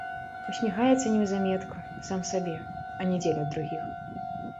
Усміхаецца неўзаметку, сам сабе, а не дзеля другіх.